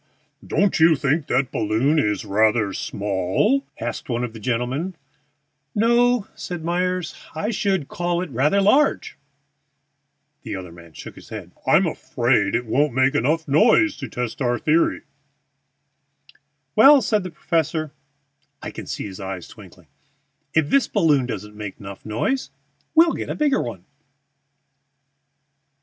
"Don't you think that balloon is rather small?" asked one of the gentlemen. "No," said Myers; "I should call it rather large." The other man shook his head. "I'm afraid it won't make noise enough to test our theory." "Well," said the professor (I can see his eyes twinkling), "if this balloon doesn't make noise enough we'll get a bigger one."